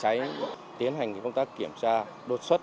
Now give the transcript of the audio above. chúng tôi sẽ tiến hành công tác kiểm tra